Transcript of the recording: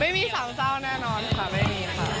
ไม่มีสามเจ้าแน่นอนค่ะไม่มีค่ะ